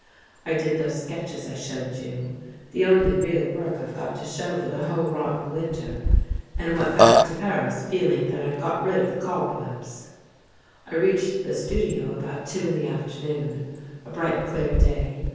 I did those sketches I showed you — the only real work I've got to show for the whole rotten winter — and went back to Paris feeling that I'd got rid of the cobwebs. " I reached the studio about two in the afternoon — a bright clear day.